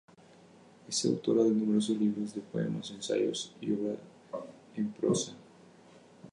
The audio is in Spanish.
Es autora de numerosos libros de poemas, ensayos y obra en prosa.